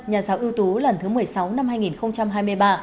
nhà giáo ưu tú lần thứ một mươi sáu năm hai nghìn hai mươi ba